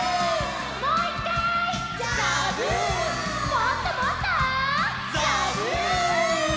もっともっと！ザブン！